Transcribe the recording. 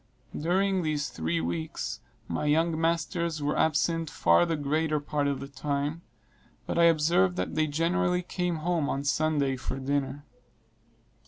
During these three weeks, my young masters were absent far the greater part of the time; but I observed that they generally came home on Sunday for dinner.